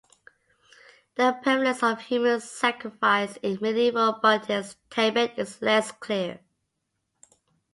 The prevalence of human sacrifice in medieval Buddhist Tibet is less clear.